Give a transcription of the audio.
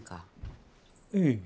ええ。